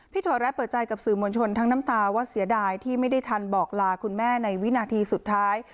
ถอดแร้เปิดใจกับสื่อมวลชนทั้งน้ำตาว่าเสียดายที่ไม่ได้ทันบอกลาคุณแม่ในวินาทีสุดท้าย